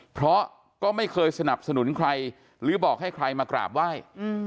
เพราะก็ไม่เคยสนับสนุนใครหรือบอกให้ใครมากราบไหว้